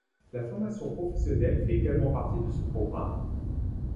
La formation professionnelle fait également partie de ce programme.